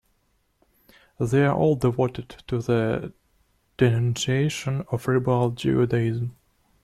They are all devoted to the denunciation of liberal Judaism.